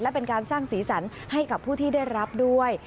และเป็นการสร้างสีสันให้กับผู้ที่ได้รับด้วย